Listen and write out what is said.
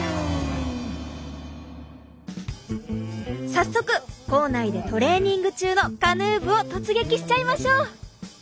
早速校内でトレーニング中のカヌー部を突撃しちゃいましょう！